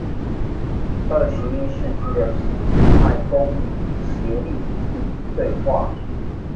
二十一世紀的新型態公民協力與對話